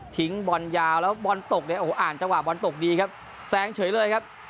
ทิ้งบอลยาวแล้วบอลตกนะโอ้โหอ่อ่านเจ้าหวะบอลตกดีครับแซงเฉยเลยครับ